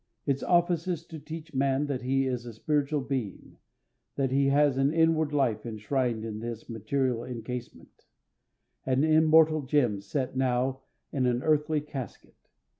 Its office is to teach man that he is a spiritual being, that he has an inward life enshrined in this material encasement—an immortal gem set now in an earthly casket.